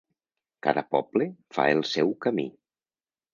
Cada poble fa el seu camí.